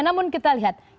namun kita lihat